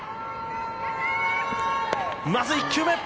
まず１球目。